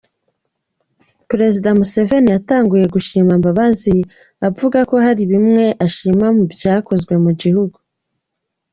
Perezida Museveni yatanguye gushima Mbabazi avuga ko hari bimwe ashima mu vyakozwe mu gihugu.